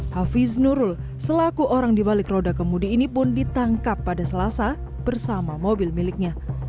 hafiz nurul selaku orang di balik roda kemudi ini pun ditangkap pada selasa bersama mobil miliknya